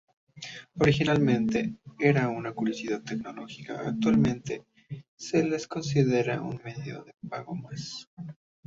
Originalmente eran una curiosidad tecnológica, actualmente se las considera un medio de pago más.